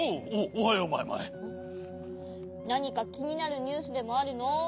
なにかきになるニュースでもあるの？